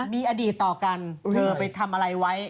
มีอดีตต่อกันเธอไปทำอะไรไว้